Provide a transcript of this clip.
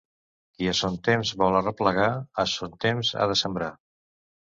Qui a son temps vol arreplegar, a son temps ha de sembrar.